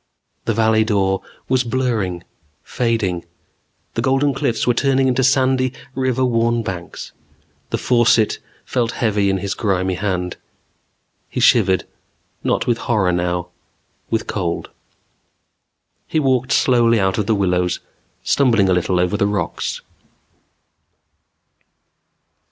The Valley Dor was blurring, fading. The Golden Cliffs were turning into sandy, river worn banks. The faucet felt heavy in his grimy hand. He shivered, not with horror now. With cold. He walked slowly out of the willows, stumbling a little over the rocks.